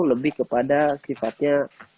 lebih kepada sifatnya